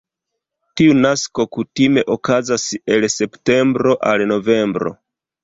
Tiu nasko kutime okazas el septembro al novembro.